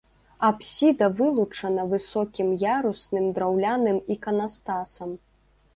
Апсіда вылучана высокім ярусным драўляным іканастасам.